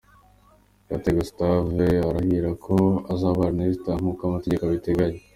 Kate Gustave arahira ko azabana na Esther nkuko amategeko abiteganya.